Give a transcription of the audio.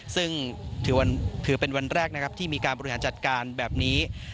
ซึ่งถือเป็นวันแรกนะครับที่มีการบริหารจัดการแบบนี้